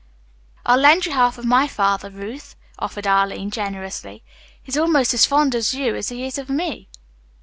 "I'll lend you half of my father, Ruth," offered Arline generously. "He is almost as fond of you as he is of me.